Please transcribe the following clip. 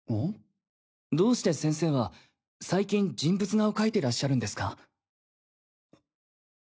どうして先生は最近人物画を描いてらっしゃるんですか？